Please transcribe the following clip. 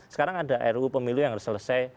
sekarang ada ruu pemilu yang harus selesai